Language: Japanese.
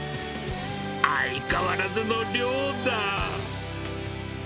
相変わらずの量だ。